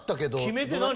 決め手何？